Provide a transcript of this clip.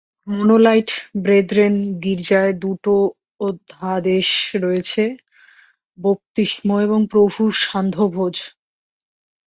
Mennonite brethren গির্জায় দুটো অধ্যাদেশ রয়েছে - বাপ্তিস্ম এবং প্রভুর সান্ধ্যভোজ।